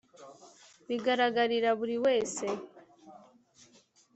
bigaragarira buri wese